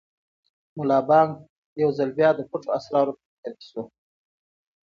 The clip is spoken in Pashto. ملا بانګ یو ځل بیا د پټو اسرارو په فکر کې شو.